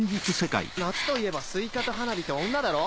夏といえばスイカと花火と女だろ？